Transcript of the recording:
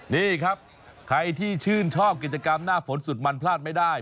นี่ครับใครที่ชื่นชอบกิจกรรมหน้าฝนสุดมันพลาดไม่ได้